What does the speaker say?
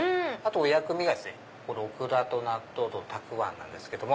お薬味がオクラと納豆とたくあんなんですけど。